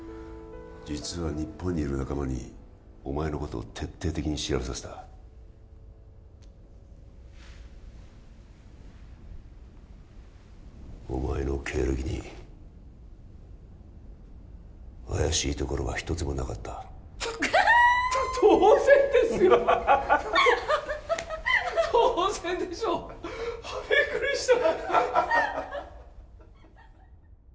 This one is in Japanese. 実は日本にいる仲間にお前のことを徹底的に調べさせたお前の経歴に怪しいところが一つもなかったあはは！と当然ですよ！ハハハ当然でしょうビックリした！